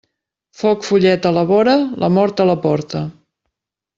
Foc follet a la vora, la mort a la porta.